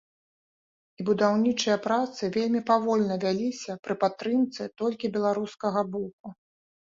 І будаўнічыя працы вельмі павольна вяліся пры падтрымцы толькі беларускага боку.